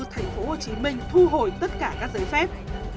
thành phố hồ chí minh thu hồi tất cả các giấy phép